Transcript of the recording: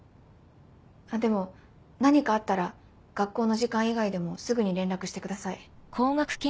あっでも何かあったら学校の時間以外でもすぐに連絡してください。